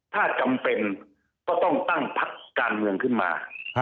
ถ้าจำเป็นก็ต้องตั้งพักการเมืองขึ้นมา